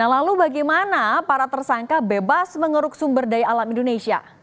lalu bagaimana para tersangka bebas mengeruk sumber daya alam indonesia